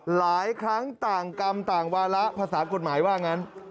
หลายครั้งต่างกรรมต่างวาระภาษากฎหมายว่างั้น